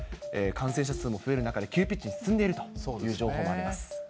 感染者数も増える中で、急ピッチに進んでいるという情報もあります。